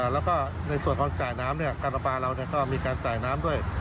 แล้วก็ในส่วนของจ่ายน้ำการปลาปลาเราก็มีการจ่ายน้ำด้วย